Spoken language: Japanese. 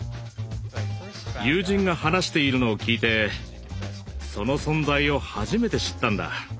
友人が話しているのを聞いてその存在を初めて知ったんだ。